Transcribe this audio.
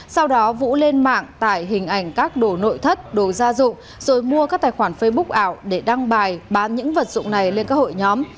sau đó vũ lên mạng tải hình ảnh các đồ nội thất đồ gia dụng rồi mua các tài khoản facebook ảo để đăng bài bán những vật dụng này lên các hội nhóm